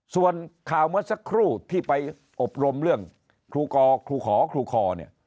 ส่วนข่าวเมื่อสักครู่ที่ไปอบรมเรื่องครูกอครูขอครูคอเนี่ย